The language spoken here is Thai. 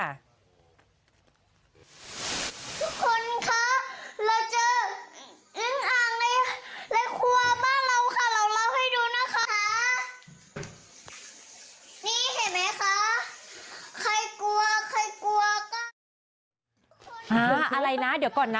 อะไรนะเดี๋ยวก่อนนะ